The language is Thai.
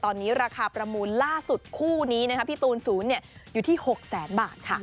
ตอนนี้ราคาประมูลล่าสุดคู่นี้พี่ตูน๐อยู่ที่๖แสนบาทค่ะ